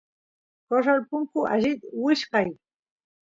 corral punku allit wichkay